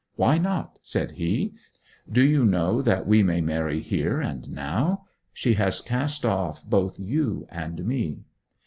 'Why not?' said he. 'Do you know that we may marry here and now? She has cast off both you and me.'